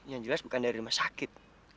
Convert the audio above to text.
yang jelas bukan dari rumah sakit